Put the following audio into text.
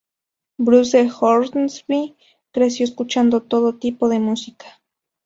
Bruce Hornsby creció escuchando todo tipo de música.